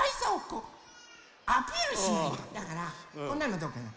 だからこんなのどうかな？